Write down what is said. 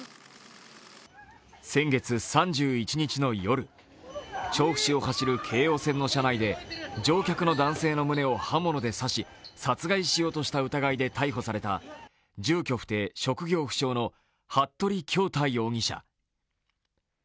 先月３１日の夜、調布市を走る京王線の車内で乗客の男性の胸を刃物で刺し殺害しようとした疑いで逮捕された住居不定・職業不詳の服部恭太容疑者。